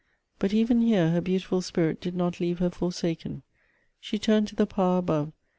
But even here her beautiful spirit did not leave her for saken. She turned to the Power above.